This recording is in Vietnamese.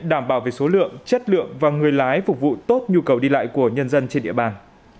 đảm bảo về số lượng chất lượng và người lái phục vụ tốt nhu cầu đi lại của nhân dân trên địa bàn